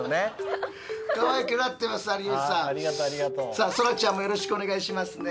さあそらちゃんもよろしくお願いしますね。